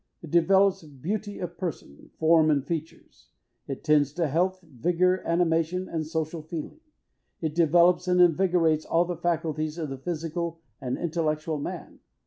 It developes beauty of person, form and features. It tends to health, vigour, animation and social feeling. It developes and invigorates all the faculties of the physical and intellectual man.